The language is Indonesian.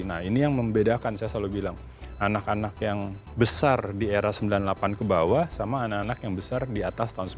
nah ini yang membedakan saya selalu bilang anak anak yang besar di era sembilan puluh delapan ke bawah sama anak anak yang besar di atas tahun seribu sembilan ratus sembilan puluh